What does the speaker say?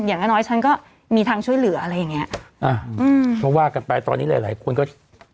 อย่างน้อยน้อยฉันก็มีทางช่วยเหลืออะไรอย่างเงี้ยอ่าอืมก็ว่ากันไปตอนนี้หลายหลายคนก็